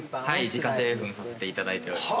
自家製粉させていただいております。